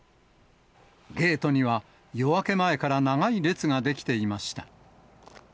ゲートには、夜明け前から長い列が出来ていました。